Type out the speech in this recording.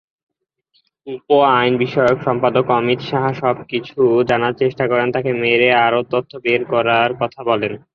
উপ-আইন বিষয়ক সম্পাদক অমিত সাহা সবকিছু জানার চেষ্টা করেন, তাকে মেরে আরও তথ্য বেড় করার কথা বলেন।